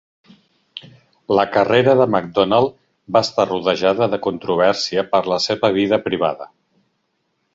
La carrera de MacDonald va estar rodejada de controvèrsia per la seva vida privada.